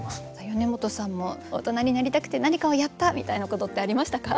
米本さんも大人になりたくて何かをやったみたいなことってありましたか？